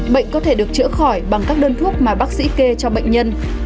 bệnh có thể được chữa khỏi bằng các đơn thuốc mà bác sĩ kê cho bệnh nhân